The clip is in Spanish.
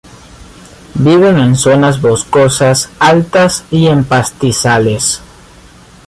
Viven en zonas boscosas altas y en pastizales.